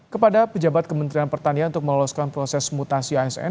kepada pejabat kementerian pertanian untuk meloloskan proses mutasi asn